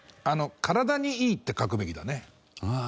「体にいい」って書くべきだね。